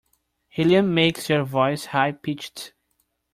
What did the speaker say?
Helium makes your voice high pitched.